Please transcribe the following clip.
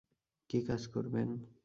কি কাজ করবেন?